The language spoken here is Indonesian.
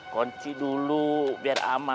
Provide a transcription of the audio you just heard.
konci dulu biar aman